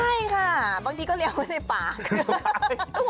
ใช่ค่ะบางทีก็เลี้ยงไว้ในป่า